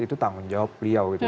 itu tanggung jawab beliau gitu